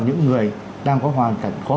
những cái hội này đang có hoàn cảnh khó